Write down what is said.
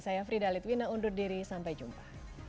saya frida litwina undur diri sampai jumpa